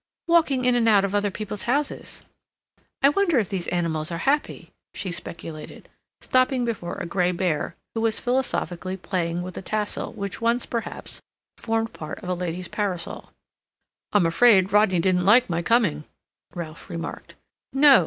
"Walking in and out of other people's houses. I wonder if these animals are happy?" she speculated, stopping before a gray bear, who was philosophically playing with a tassel which once, perhaps, formed part of a lady's parasol. "I'm afraid Rodney didn't like my coming," Ralph remarked. "No.